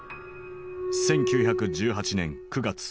１９１８年９月。